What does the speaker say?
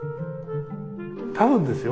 多分ですよ？